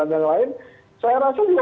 dua puluh sembilan yang lain saya rasa juga